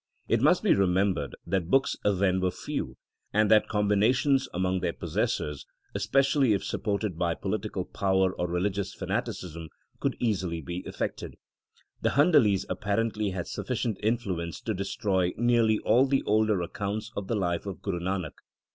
It must be remembered that books then were few, and that combinations among their possessors, especially if supported by political power or religious fanaticism, could easily be effected. The Handalis appar ently had sufficient influence to destroy nearly all the older accounts of the life of Guru Nanak.